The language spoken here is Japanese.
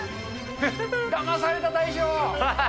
だまされた大賞。